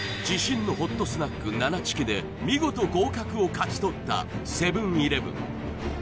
自信のホットスナックななチキで見事合格を勝ち取ったセブン−イレブン